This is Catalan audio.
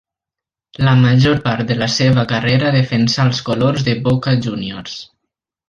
La major part de la seva carrera defensà els colors de Boca Juniors.